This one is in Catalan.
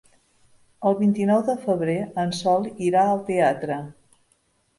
El vint-i-nou de febrer en Sol irà al teatre.